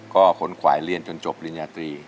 ก็คนขวายเรียนจนจบปริญญาตรี